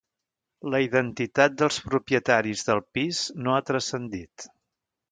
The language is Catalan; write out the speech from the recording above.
La identitat dels propietaris del pis no ha trascendit.